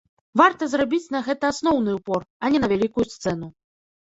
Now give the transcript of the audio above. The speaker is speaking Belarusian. Варта зрабіць на гэта асноўны упор, а не на вялікую сцэну.